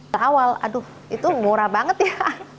seawal aduh itu murah banget ya